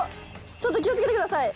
ちょっと気をつけてください